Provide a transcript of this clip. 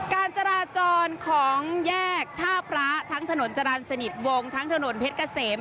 การจราจรของแยกท่าพระทั้งถนนจรรย์สนิทวงทั้งถนนเพชรเกษม